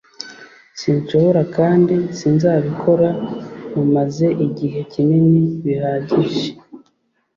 Sinshobora kandi sinzabikora Mumaze igihe kinini bihagije